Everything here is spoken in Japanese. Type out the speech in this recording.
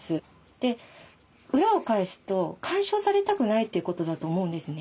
で裏を返すと干渉されたくないということだと思うんですね。